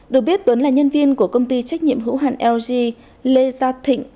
được biết tuấn là nhân viên của công ty trách nhiệm hữu hạn lg lê gia thịnh